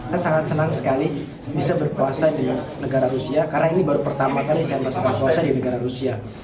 saya sangat senang sekali bisa berpuasa di negara rusia karena ini baru pertama kali saya bersama swasta di negara rusia